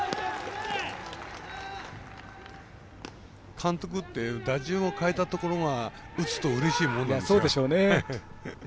監督って打順を変えたところが打つとうれしいもんなんです。